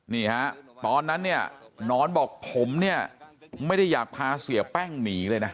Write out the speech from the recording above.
นี่ฮะตอนนั้นเนี่ยหนอนบอกผมเนี่ยไม่ได้อยากพาเสียแป้งหนีเลยนะ